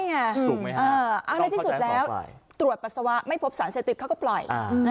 ใช่ไงเอาในที่สุดแล้วตรวจปัสสาวะไม่พบสารเศรษฐิบเขาก็ปล่อย